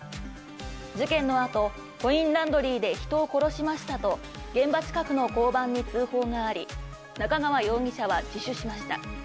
事件のあと、コインランドリーで人を殺しましたと、現場近くの交番に通報があり、中川容疑者は自首しました。